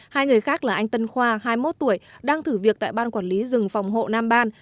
hai người khác là anh tân khoa hai mươi một tuổi đang thử việc tại ban quản lý rừng phòng hộ nam ban